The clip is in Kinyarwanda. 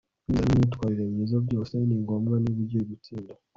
kwizera n'imyitwarire myiza byose ni ngombwa niba ugiye gutsinda